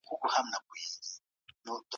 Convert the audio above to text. هغه څوک چي درناوی نه کوي، ستونزي جوړوي.